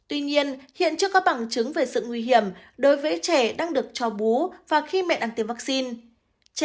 tuy nhiên hiện chưa có bằng chứng về sự nguy hiểm đối với trẻ đang được cho bú và khi mẹ ăn tiêm vaccine